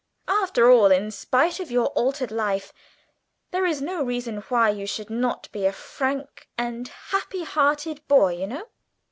After all, in spite of your altered life, there is no reason why you should not be a frank and happy hearted boy, you know."